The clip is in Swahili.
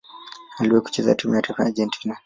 Aliwahi kucheza timu ya taifa ya Argentina.